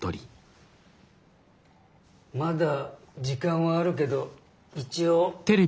まだ時間はあるけど一応。